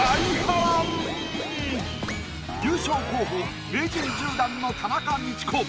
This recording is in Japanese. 優勝候補名人１０段の田中道子。